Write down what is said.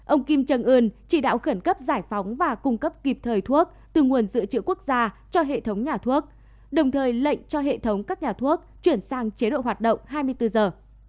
ông kim trân ưn chỉ đạo khẩn cấp giải phóng và cung cấp kịp thời thuốc từ nguồn dự trữ quốc gia cho hệ thống nhà thuốc đồng thời lệnh cho hệ thống các nhà thuốc chuyển sang chế độ hoạt động hai mươi bốn giờ